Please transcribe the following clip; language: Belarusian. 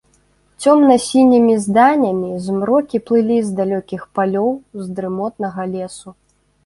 Цёмна-сінімі зданямі змрокі плылі з далёкіх палёў, з дрымотнага лесу.